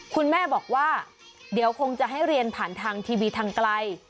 คุณแม่บอกว่าเดี๋ยวคงจะให้เรียนผ่านทางทีวีทางไกล